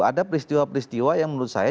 ada peristiwa peristiwa yang menurut saya